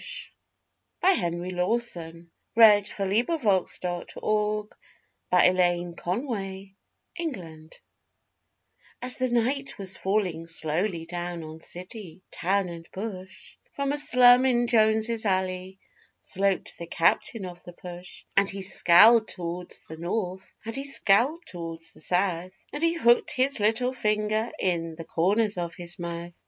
Shearers are seldom or never fined now. THE CAPTAIN OF THE PUSH As the night was falling slowly down on city, town and bush, From a slum in Jones' Alley sloped the Captain of the Push; And he scowled towards the North, and he scowled towards the South, As he hooked his little finger in the corners of his mouth.